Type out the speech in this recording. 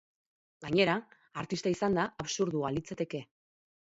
Gainera, artista izanda, absurdua litzateke.